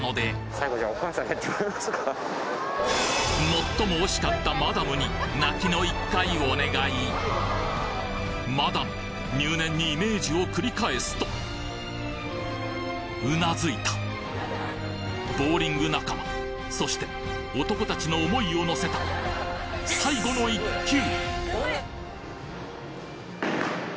最も惜しかったマダムに泣きの１回をお願いマダム入念にイメージを繰り返すと頷いたボウリング仲間そして男たちの想いをのせた最後の１球！